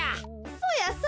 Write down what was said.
そやそや。